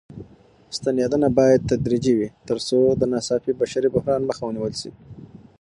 ستنېدنه بايد تدريجي وي تر څو د ناڅاپي بشري بحران مخه ونيول شي.